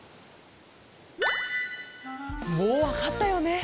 もうわかったよね？